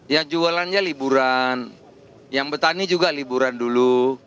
ya jualannya liburan yang petani juga liburan dulu